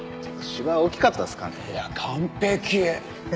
いや完璧！